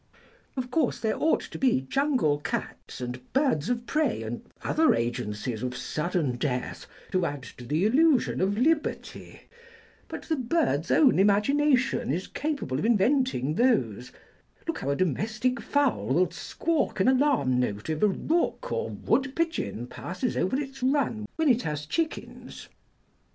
Of course there ought to be jungle cats and birds of prey and other agencies of sudden death to add to the illusion of liberty, but the bird's own imagination is capable of inventing those—look how a domestic fowl will squawk an alarm note if a rook or wood pigeon passes over its run when it has chickens."